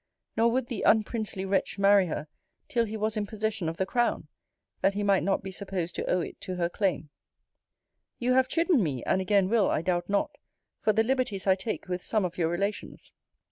Nor would the unprincely wretch marry her till he was in possession of the crown, that he might not be supposed to owe it to her claim. * Henry VII. You have chidden me, and again will, I doubt not, for the liberties I take with some of your relations.